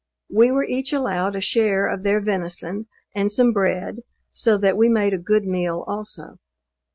We were each allowed a share of their venison, and some bread, so that we made a good meal also.